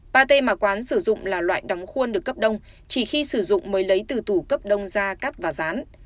pate mà quán sử dụng là loại đóng khuôn được cấp đông chỉ khi sử dụng mới lấy từ tủ cấp đông da cắt và rán